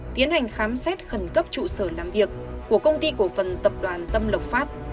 tiến hành khám xét khẩn cấp trụ sở làm việc của công ty cổ phần tập đoàn tâm lộc phát